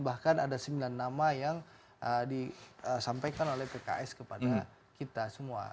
bahkan ada sembilan nama yang disampaikan oleh pks kepada kita semua